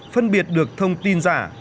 phân biệt được thông tin giả